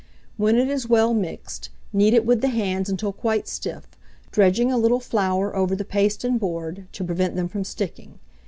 When it is well mixed, knead it with the hands until quite stiff, dredging a little flour over the paste and board, to prevent them from sticking.